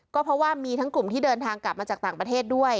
ก็เพราะว่ามีทั้งกลุ่มที่เดินทางกลับมาจากต่างประเทศด้วย